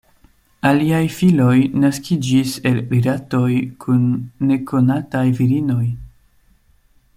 Aliaj filoj naskiĝis el rilatoj kun nekonataj virinoj.